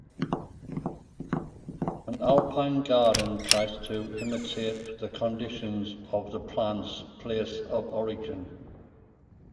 An alpine garden tries to imitate the conditions of the plants' place of origin.